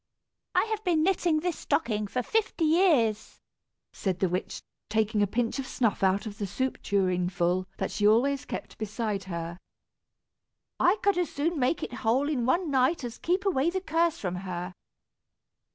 "I have been knitting this stocking for fifty years," said the witch, taking a pinch of snuff out of the soup tureenful that she always kept beside her. "I could as soon make it whole in one night as keep away the curse from her."